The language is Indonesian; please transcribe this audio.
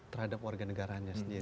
terhadap warga negaranya sendiri